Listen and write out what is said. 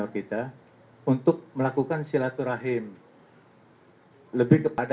jadi kita harus melakukan hal yang lebih terang dan lebih berbahaya